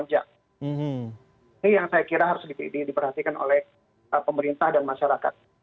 ini yang saya kira harus diperhatikan oleh pemerintah dan masyarakat